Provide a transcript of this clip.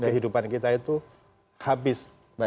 kehidupan kita itu habis